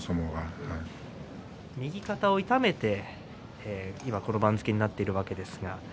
右肩を痛めてこの番付になっています。